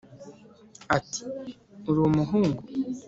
ati «uri umuhungu